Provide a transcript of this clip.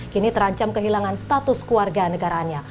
kini terancam kehilangan status keluarga negaraannya